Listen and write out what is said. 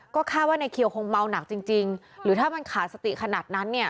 ก็คาดว่าในเคียวคงเมาหนักจริงจริงหรือถ้ามันขาดสติขนาดนั้นเนี่ย